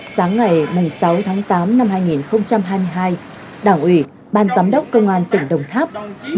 sáng ngày sáu tháng tám năm hai nghìn hai mươi hai đảng ủy ban giám đốc công an tỉnh đồng tháp